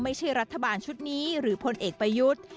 ไม่ใช่รัฐบาลชุดนี้หรือพลเอกประยุทธ์